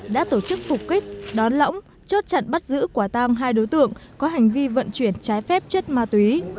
đã tổ chức phục kích đón lõng chốt chặn bắt giữ quả tang hai đối tượng có hành vi vận chuyển trái phép chất ma túy